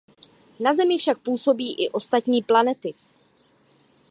Na Zemi však působí i ostatní planety.